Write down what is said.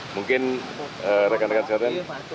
mungkin rekan rekan sehatan